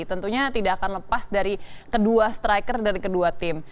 tentunya tidak akan lepas dari kedua striker dari kedua tim